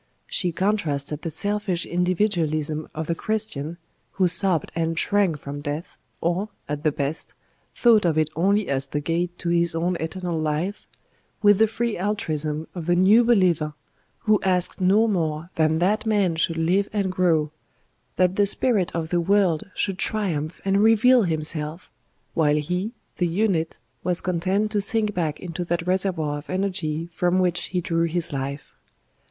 She contrasted the selfish individualism of the Christian, who sobbed and shrank from death, or, at the best, thought of it only as the gate to his own eternal life, with the free altruism of the New Believer who asked no more than that Man should live and grow, that the Spirit of the World should triumph and reveal Himself, while he, the unit, was content to sink back into that reservoir of energy from which he drew his life.